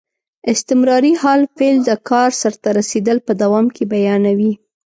استمراري حال فعل د کار سرته رسېدل په دوام کې بیانیوي.